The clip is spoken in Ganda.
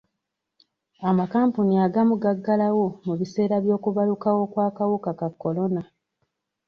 Amakampuni agagamu gaggalawo mu biseera by'okubalukawo kw'akawuka ka kolona.